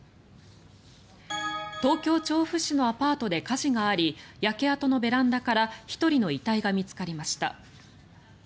東京・調布市のアパートで火事があり焼け跡のベランダから１人の遺体が見つかりました。